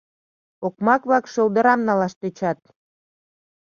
Окмак-влак, шӧлдырам налаш тӧчат.